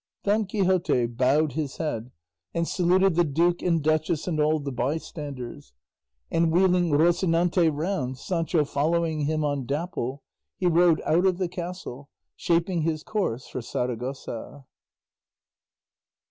Don Quixote bowed his head, and saluted the duke and duchess and all the bystanders, and wheeling Rocinante round, Sancho following him on Dapple, he rode out of the castle, shaping his course for Saragossa.